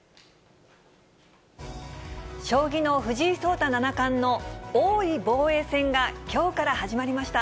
将棋の藤井聡太七冠の王位防衛戦がきょうから始まりました。